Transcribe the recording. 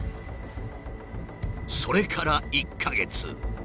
それから１か月。